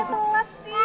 wah udah dateng